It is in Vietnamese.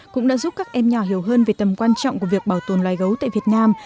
cũng đã giúp các em nhỏ hiểu hơn về tầm quan trọng của việc bảo tồn loài gấu tại việt nam